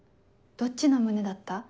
どっちの胸だった？